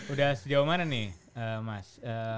udah sejauh mana nih mas